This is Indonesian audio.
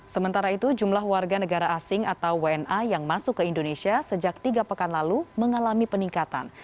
sementara itu jumlah warga negara asing atau wna yang masuk ke indonesia sejak tiga pekan lalu mengalami peningkatan